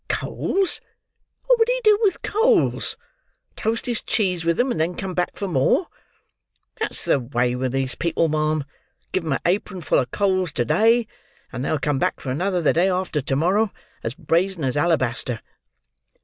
Coals! What would he do with coals? Toast his cheese with 'em and then come back for more. That's the way with these people, ma'am; give 'em a apron full of coals to day, and they'll come back for another, the day after to morrow, as brazen as alabaster."